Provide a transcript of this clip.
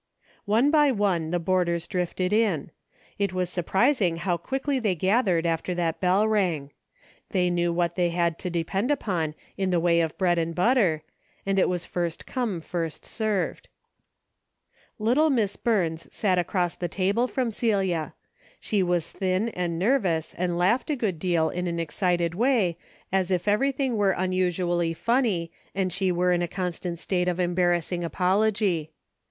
One by one the boarders drifted in. It was surprising how quickly they gathered after that bell rang. They knew what they had to de pend upon in the way of bread and butter, and it was first come first served. Little Miss A DAILY RATE.' 11 Burns sat across the table from Celia. She was thin and nervous and laughed a good deal in an excited way, as if everything were un usually funny, and she were in a constant state of embarrassing apology.